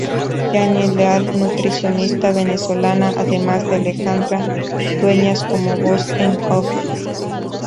Janine Leal nutricionista venezolana, además de Alejandra Dueñas como voz en "off".